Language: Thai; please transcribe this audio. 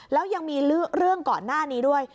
แล้วยังมีเรื่องก่อนหน้านี้ด้วย